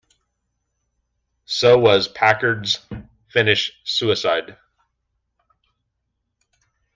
So was Packard's finish suicide.